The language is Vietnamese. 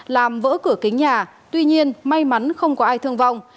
làm vỡ cửa kính nhà tuy nhiên may mắn không có ai thương vong